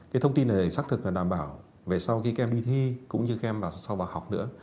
cái thông tin này xác thực và đảm bảo về sau khi các em đi thi cũng như các em vào sau vào học nữa